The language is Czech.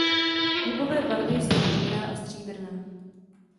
Klubové barvy jsou modrá a stříbrná.